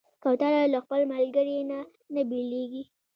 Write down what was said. کوتره له خپل ملګري نه نه بېلېږي.